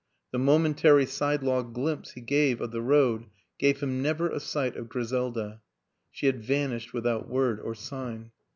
The momen tary sidelong glimpse he caught of the road gave him never a sight of Griselda; she had vanished without word or sign.